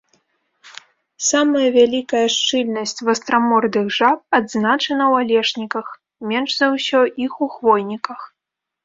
Самая вялікая шчыльнасць вастрамордых жаб адзначана ў алешніках, менш за ўсё іх у хвойніках.